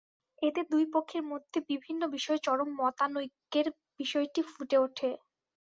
এতে দুই পক্ষের মধ্যে বিভিন্ন বিষয়ে চরম মতানৈক্যের বিষয়টি ফুটে ওঠে।